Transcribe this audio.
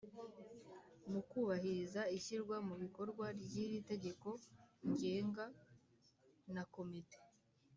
Mu kubahiriza ishyirwa mu bikorwa ry iri tegeko ngenga na komite